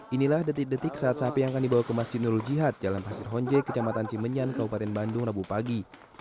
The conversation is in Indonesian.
inilah detik detik saat sapi yang akan dibawa ke masjid nurul jihad jalan pasir honje kecamatan cimenyan kabupaten bandung rabu pagi